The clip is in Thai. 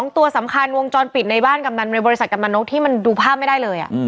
๒ตัวสำคัญวงจรปิดในบริษัทกำลังนกที่มันดูภาพไม่ได้เลย